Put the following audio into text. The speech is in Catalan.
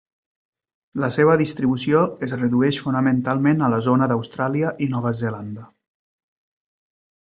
La seva distribució es redueix fonamentalment a la zona d'Austràlia i Nova Zelanda.